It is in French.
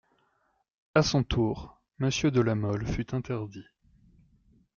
A son tour, Monsieur de La Mole fut interdit.